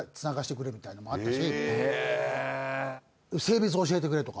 性別教えてくれとか。